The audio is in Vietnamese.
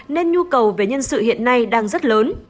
nên nhu cầu về nhân sự hiện nay đang rất lớn